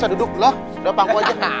udah pangku aja